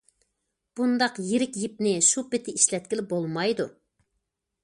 بۇنداق يىرىك يىپنى شۇ پېتى ئىشلەتكىلى بولمايدۇ.